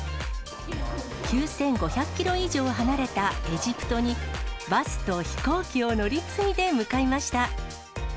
９５００キロ以上離れたエジプトに、バスと飛行機を乗り継いで向かいました。